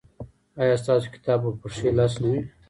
ایا ستاسو کتاب به په ښي لاس نه وي؟